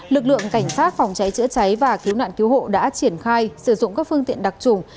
lực lượng cảnh sát phòng cháy chữa cháy và cứu nạn cứu hộ đã triển khai sử dụng các phương tiện đặc trùng